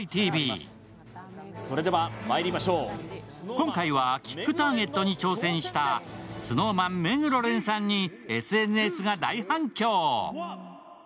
今回はキックターゲットに挑戦したＳｎｏｗＭａｎ・目黒連さんにＳＮＳが大反響。